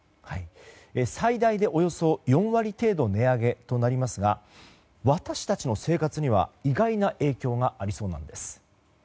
最大でおよそ４割程度値上げとなりますが私たちの生活には意外な影響がありそうなんです。